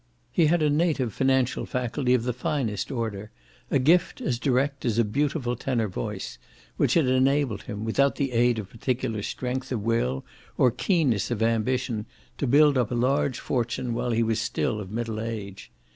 He had a native financial faculty of the finest order, a gift as direct as a beautiful tenor voice, which had enabled him, without the aid of particular strength of will or keenness of ambition, to build up a large fortune while he was still of middle age.